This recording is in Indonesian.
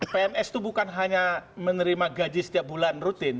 pns itu bukan hanya menerima gaji setiap bulan rutin